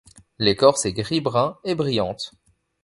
L'écorce est gris-brun et brillante.